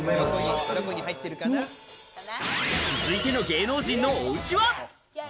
続いての芸能人のおうちは。